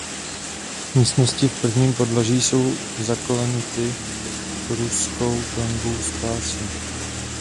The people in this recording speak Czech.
Místnosti v prvním podlaží jsou zaklenuty pruskou klenbou s pásy.